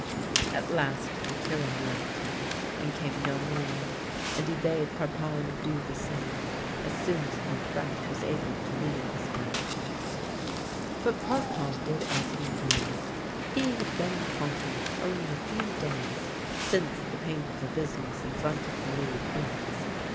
At last the Cure left him, and came no more, and he bade Parpon do the same as soon as Pomfrette was able to leave his bed. But Parpon did as he willed. He had been in Pon tiac only a few days since the painful business in front of the Louis Quinze.